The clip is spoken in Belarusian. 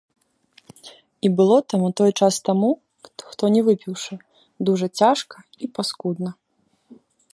І было там у той час таму, хто не выпіўшы, дужа цяжка і паскудна.